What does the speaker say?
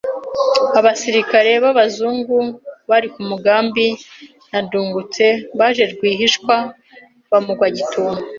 abasilikali b’abazungu bari ku mugambi na Ndungutse baje rwihishwa bamugwa gitumo